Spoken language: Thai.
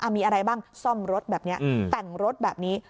มีอะไรบ้างซ่อมรถแบบนี้แต่งรถแบบนี้